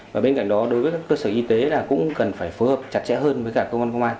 và bên cạnh đó đối với các cơ sở y tế là cũng cần phải phối hợp chặt chẽ hơn với cả cơ quan công an